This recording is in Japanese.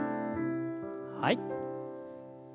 はい。